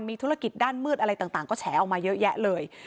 มีธุรกิจด้านมืดอะไรต่างก็แฉออกมาเยอะแยะเลย